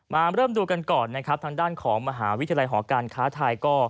มาเริ่มดูกันก่อนนะครับทางด้านของมหาวิทยาลัยหอการค้าไทยก็